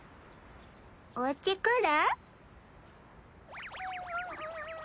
おうち来る？